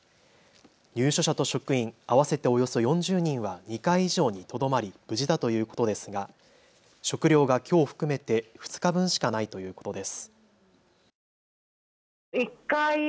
入所者と職員合わせておよそ４０人は２階以上にとどまり無事だということですが食料がきょう含めて２日分しかないということです。